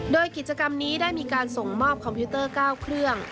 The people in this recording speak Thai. โดยกิจกรรมนี้ได้มีการส่งมอบคอมพิวเตอร์๙เครื่อง